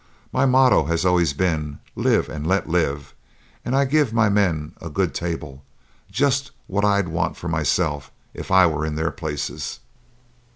My motto has always been 'Live and let live,' and I give my men a good table, just what I'd want for myself if I were in their places.